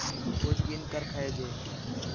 کُج گِھن کر کھئے جے